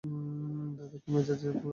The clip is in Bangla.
দাদা কী মেজাজে ছিলেন রাজি হয়ে গেলেন।